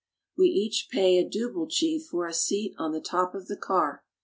We each pay a dubbeltje for a seat on the top of the car.